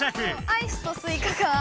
アイスとスイカが。